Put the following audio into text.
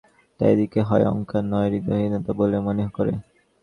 তারা এটাকে হয় অহংকার, নয় হৃদয়হীনতা বলে মনে করে।